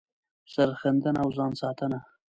سر ښندنه او ځان ساتنه